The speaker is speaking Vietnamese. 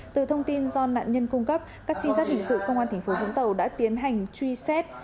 từ thông tin do nạn nhân cung cấp các trinh sát hình sự công an thành phố vũng tàu đã tiến hành truy xét